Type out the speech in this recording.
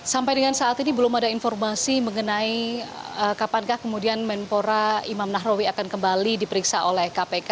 sampai dengan saat ini belum ada informasi mengenai kapankah kemudian menpora imam nahrawi akan kembali diperiksa oleh kpk